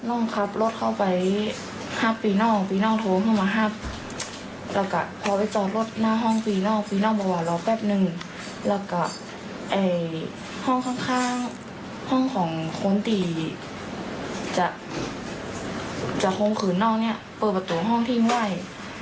ออกมาที่ห้องข้างห้องของคนตีจะคงคืนนอกเปิดประตูห้องที่ไหว่